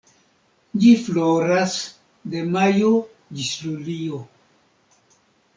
Ĝi floras de majo ĝis julio.